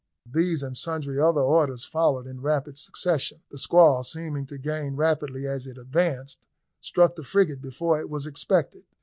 These and sundry other orders followed in rapid succession. The squall, seeming to gain rapidity as it advanced, struck the frigate before it was expected.